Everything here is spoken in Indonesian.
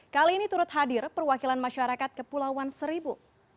kali ini turut hadir perwakilan masyarakat kepulauan seribu